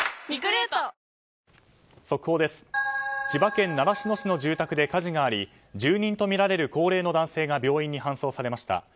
千葉県習志野市の住宅で火事があり住人とみられる高齢の男性が病院に搬送されました。